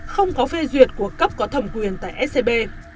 không có phê duyệt của cấp có thẩm quyền tại scb